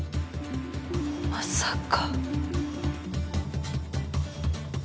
まさか。